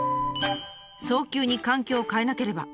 「早急に環境を変えなければ」。